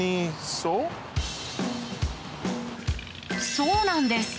そうなんです。